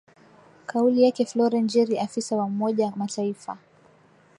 kauli yake floren jerry afisa wa umoja mataifa